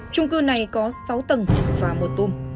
trung cư này có sáu tầng và một tùm